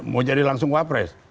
mau jadi langsung wapres